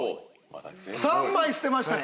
３枚捨てましたか。